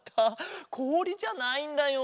こおりじゃないんだよ。